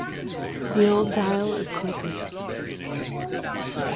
THE OLD DIAL OF CORPUS.